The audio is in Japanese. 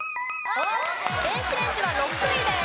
電子レンジは６位です。